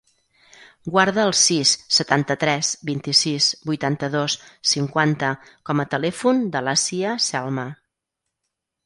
Guarda el sis, setanta-tres, vint-i-sis, vuitanta-dos, cinquanta com a telèfon de l'Asia Celma.